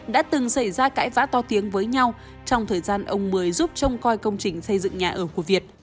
đã từng xảy ra cãi vã to tiếng với nhau trong thời gian ông mười giúp trông coi công trình xây dựng nhà ở của việt